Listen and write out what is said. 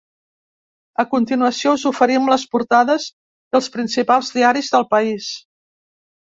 A continuació, us oferim les portades dels principals diaris del país.